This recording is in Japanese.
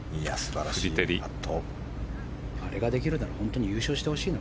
あれができるなら本当にこのまま優勝してほしいな。